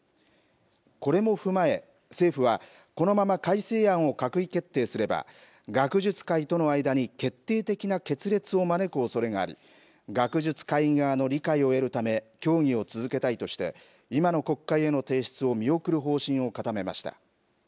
これも踏まえ政府はこのまま改正案を閣議決定すれば学術界との間に決定的な決裂を招くおそれがあり学術会議側の理解を得るため協議を続けたいとして今の国会への提出を見送る方針を固めました。